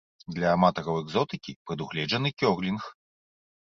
Для аматараў экзотыкі прадугледжаны кёрлінг.